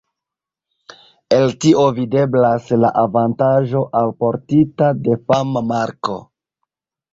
El tio videblas la avantaĝo alportita de fama marko.